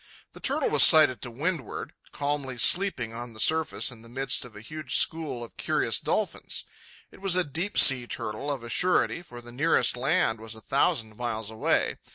The turtle was sighted to windward, calmly sleeping on the surface in the midst of a huge school of curious dolphins. It was a deep sea turtle of a surety, for the nearest land was a thousand miles away.